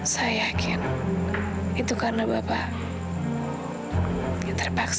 saya yakin itu karena bapak ya terpaksa